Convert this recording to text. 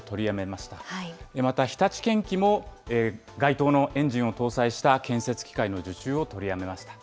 また日立建機も、該当のエンジンを搭載した建設機械の受注を取りやめました。